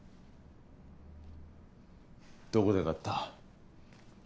どこで買った？